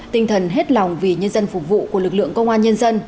tinh thần hết lòng vì nhân dân phục vụ của lực lượng công an nhân dân